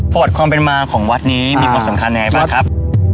ประวัติความเป็นมาของวัดนี้มีความสำคัญยังไงบ้างครับ